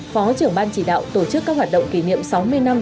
phó trưởng ban chỉ đạo tổ chức các hoạt động kỷ niệm sáu mươi năm